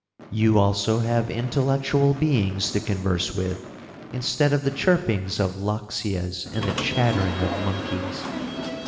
'You also have intellectual beings to converse with instead of the chirpings of loxias, and the chatterings of monkeys.'